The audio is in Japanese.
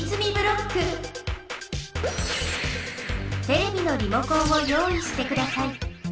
テレビのリモコンを用いしてください。